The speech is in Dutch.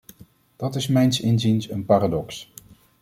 Dat is mijns inziens een paradox.